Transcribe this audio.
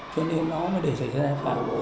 cho nên nó mới để xảy ra sai phạm